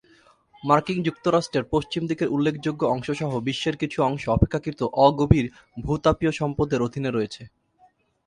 মার্কিন যুক্তরাষ্ট্রের পশ্চিম দিকের উল্লেখযোগ্য অংশ সহ বিশ্বের কিছু অংশ অপেক্ষাকৃত অগভীর ভূ-তাপীয় সম্পদের অধীনে রয়েছে।